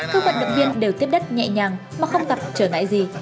các vận động viên đều tiếp đất nhẹ nhàng mà không gặp trở ngại gì